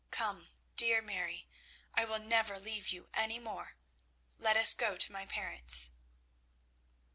Come, dear Mary, I will never leave you any more. Let us go to my parents."